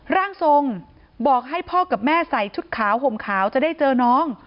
ร่างทรงบอกให้พ่อกับแม่ใส่ชุดขาวห่มขาวจะได้เจอน้อง